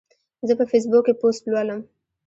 زه په فیسبوک کې پوسټ لولم.